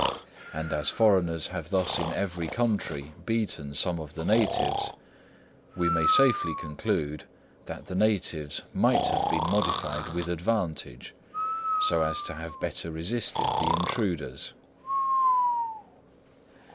And as foreigners have thus in every country beaten some of the natives, we may safely conclude that the natives might have been modified with advantage, so as to have better resisted the intruders.